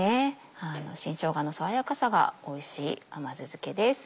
新しょうがの爽やかさがおいしい甘酢漬けです。